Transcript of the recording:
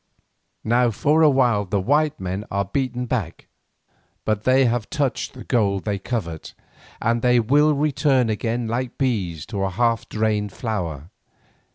Now for a while the white men are beaten back, but they have touched the gold they covet, and they will return again like bees to a half drained flower.